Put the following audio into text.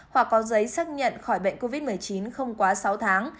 hoặc có giấy xác nhận khỏi bệnh covid một mươi chín không quá sáu tháng